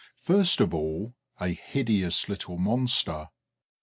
First of all, a hideous little monster.